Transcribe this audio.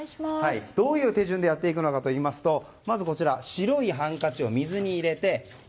どういう手順でやっていくのかといいますとまず白いハンカチを水に入れます。